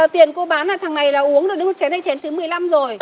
tiền cô bán là thằng này là uống được đứa chén này chén thứ một mươi năm rồi